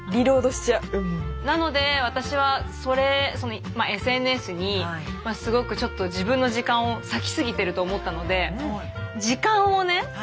なので私はそれＳＮＳにすごくちょっと自分の時間を割き過ぎてると思ったので時間をね